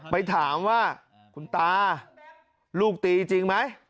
ไปถามว่าคุณตาลูกตีจริงไหม